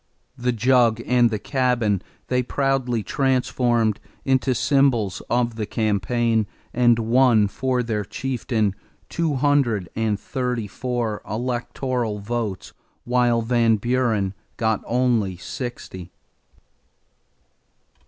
The jug and the cabin they proudly transformed into symbols of the campaign, and won for their chieftain 234 electoral votes, while Van Buren got only sixty.